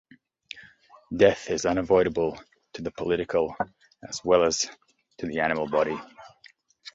Death is unavoidable to the political as well as to the animal body.